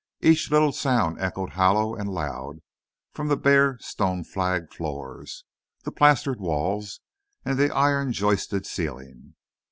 Each little sound echoed hollow and loud from the bare, stone flagged floors, the plastered walls, and the iron joisted ceiling.